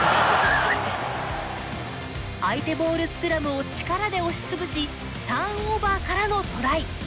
相手ボールスクラムを力で押しつぶしターンオーバーからのトライ。